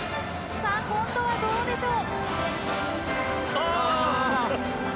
さあ、今度はどうでしょう。